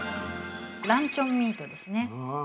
◆ランチョンミートですね。